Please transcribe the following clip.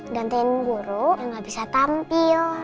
gantian guru nggak bisa tampil